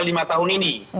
lima tahun ini